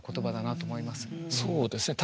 そうですね